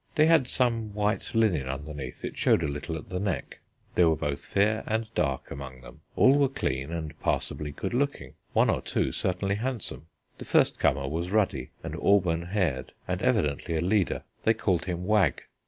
They had some white linen underneath; it showed a little at the neck. There were both fair and dark among them: all were clean and passably good looking, one or two certainly handsome. The firstcomer was ruddy and auburn haired and evidently a leader. They called him Wag.